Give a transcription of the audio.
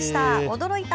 驚いた！